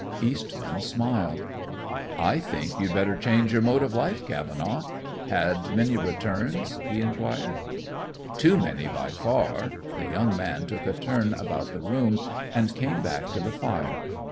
Eastman smiled. "I think you'd better change your mode of life, Cavenaugh. Had many returns?" he inquired. "Too many, by far." The young man took a turn about the room and came back to the fire.